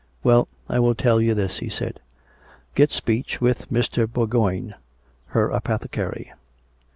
Well, I will tell you this," he said. " Get speech with Mr. Bourgoign, her apothecary.